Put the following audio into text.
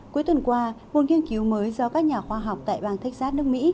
cuối tuần qua một nghiên cứu mới do các nhà khoa học tại bang texas nước mỹ